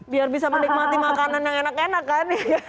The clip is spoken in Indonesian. biar bisa menikmati makanan yang enak enak kan